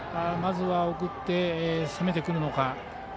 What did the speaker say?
まずは送って、攻めてくるのか。